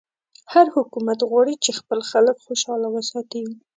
هر حکومت غواړي چې خپل خلک خوشحاله وساتي.